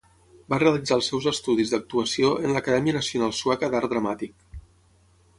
Va realitzar els seus estudis d'actuació en l'Acadèmia Nacional Sueca d'Art Dramàtic.